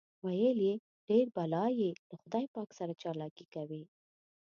ویل یې ډېر بلا یې له خدای پاک سره چالاکي کوي.